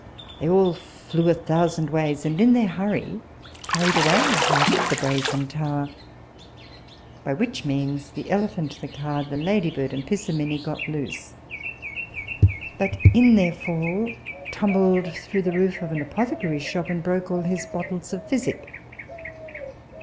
They all flew a thousand ways, and in their hurry carried away half the brazen tower, by which means the elephant, the car, the ladybird, and Pissimissi got loose; but in their fall tumbled through the roof of an apothecary's shop, and broke all his bottles of physic.